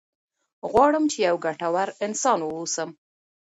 غواړم چې یو ګټور انسان واوسم.